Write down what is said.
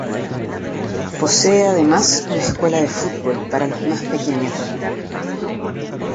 Posee además una escuela de fútbol para los más pequeños.